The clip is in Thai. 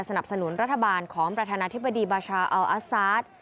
สนุนรัฐบาลของประธานาธิบดีบาชาอัลอาซาส